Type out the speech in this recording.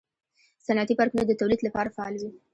صنعتي پارکونه د تولید لپاره فعال وي.